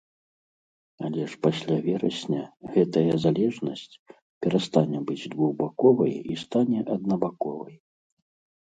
Але ж пасля верасня гэтая залежнасць перастане быць двухбаковай і стане аднабаковай.